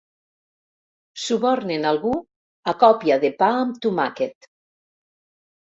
Subornen algú a còpia de pa amb toma`quet.